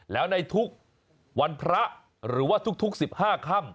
แล้วในทุกวันพระหรือว่าทุก๑๕ค่ำ